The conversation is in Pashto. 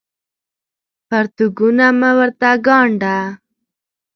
پرتوګونه مه ورته ګاڼډه